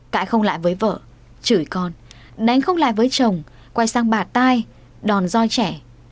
cại không lại với vợ chửi con đánh không lại với chồng quay sang bà tai đòn roi trẻ